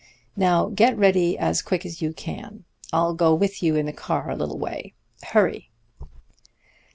Now get ready as quick as you can. I'll go with you in the car a little way. Hurry!'